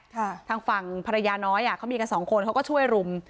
ทางฝั่งภรรยาน้อยอ่ะเขามีกันสองคนเขาก็ช่วยรุม